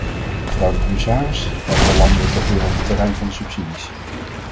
Mevrouw de commissaris, dan belanden we toch weer op het terrein van de subsidies.